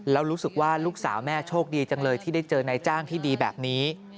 แล้วรู้สึกว่าลูกสาวแม่โชคดีจังเลยที่ได้เจอนายจ้างที่ดีแบบนี้